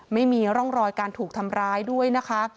ไม่มีร่องรอยการถูกทำร้ายด้วยนะคะ